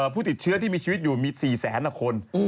ผู้ติดเชื้อที่มีชีวิตอยู่มี๔แสนกว่าคน